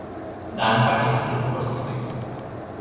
ডান পাটি হাঁটুর উপর স্থাপিত।